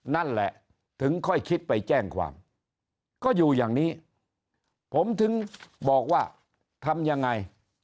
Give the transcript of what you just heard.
นั่นแหละถึงค่อยคิดไปแจ้งความก็อยู่อย่างนี้ผมถึงบอกว่าทำยังไง